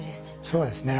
そうですね。